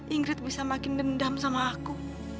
ingrid bisa makin dendam sama aku